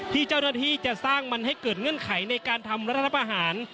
ที่เจ้าหน้าที่จะสร้างมันให้เกิดเงื่อนไขในการทำรัฐประหาร